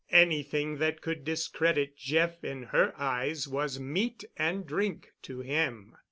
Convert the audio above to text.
Anything that could discredit Jeff in her eyes was meat and drink to him.